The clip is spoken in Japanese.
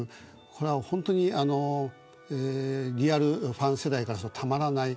これは本当にリアルファン世代からするとたまらない。